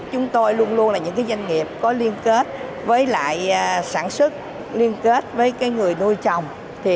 chúng tôi luôn luôn là những doanh nghiệp có liên kết với lại sản xuất liên kết với người nuôi trồng